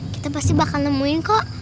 kita pasti bakal nemuin kok